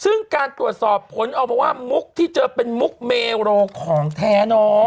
ซึ่งการตรวจสอบผลออกมาว่ามุกที่เจอเป็นมุกเมโรของแท้น้อง